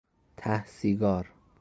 ته سیگار